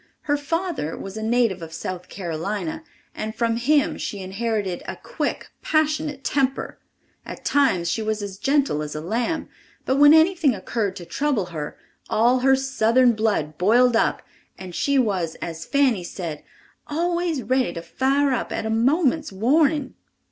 Her father was a native of South Carolina, and from him she inherited a quick, passionate temper. At times she was as gentle as a lamb, but when anything occurred to trouble her, all her Southern blood boiled up, and she was as Fanny said, "always ready to fire up at a moment's warning."